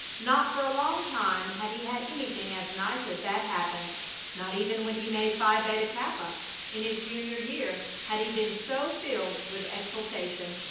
Not for a long time had he had anything as nice as that happen; not even when he made Phi Beta Kappa in his junior year had he been so filled with exultation.